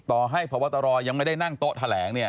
ต่อให้พบตรยังไม่ได้นั่งโต๊ะแถลงเนี่ย